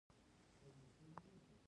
صحي خواړه د بدن قوت زیاتوي.